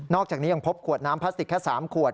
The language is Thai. อกจากนี้ยังพบขวดน้ำพลาสติกแค่๓ขวด